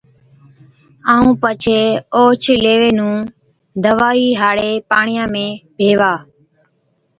ائُون پڇي اوهچ ليوي نُون دَوائِي هاڙي پاڻِيان ۾ ڀيوا